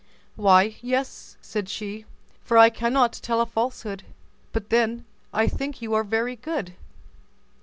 "Why, yes," said she, "for I cannot tell a falsehood; but then I think you are very good."